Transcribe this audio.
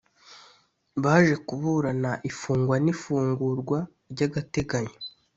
baje kuburana ifungwa n’ifungurwa ry’agateganyo